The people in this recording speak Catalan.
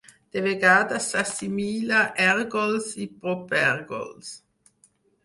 De vegades s'assimila ergols i propergols.